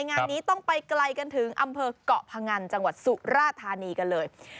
งานนี้ต้องไปไกลกันถึงอำเภอกเกาะพงันจังหวัดสุราธานีกันเลย